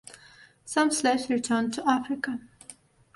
Some slaves returned to Africa.